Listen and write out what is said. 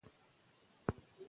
ښوونکی پرون پر وخت حاضر شو.